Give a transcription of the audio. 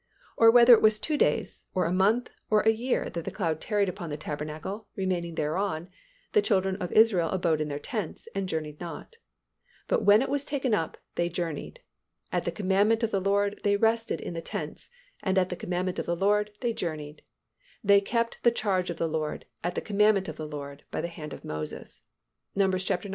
Or whether it were two days, or a month, or a year, that the cloud tarried upon the tabernacle, remaining thereon, the children of Israel abode in their tents, and journeyed not: but when it was taken up, they journeyed. At the commandment of the LORD they rested in the tents, and at the commandment of the LORD they journeyed: they kept the charge of the LORD, at the commandment of the LORD by the hand of Moses" (Num. ix.